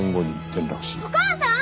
お母さん